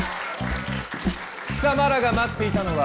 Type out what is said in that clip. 貴様らが待っていたのは？